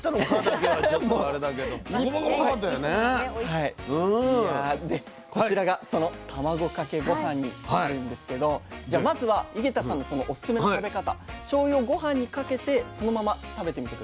いやねこちらがその卵かけごはんになるんですけどじゃあまずは弓削多さんのそのオススメの食べ方しょうゆをごはんにかけてそのまま食べてみて下さい。